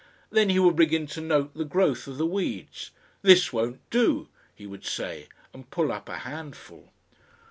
Then he would begin to note the growth of the weeds. "This won't do," he would say and pull up a handful.